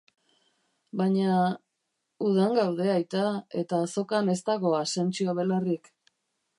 Baina... udan gaude, aita, eta azokan ez dago asentsio belarrik.